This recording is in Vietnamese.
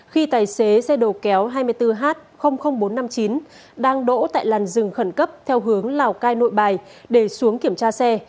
khi tài xế xe đầu kéo hai mươi bốn h bốn trăm năm mươi chín đang đỗ tại làn rừng khẩn cấp theo hướng lào cai nội bài để xuống kiểm tra xe